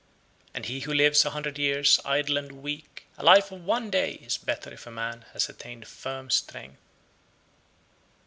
112. And he who lives a hundred years, idle and weak, a life of one day is better if a man has attained firm strength.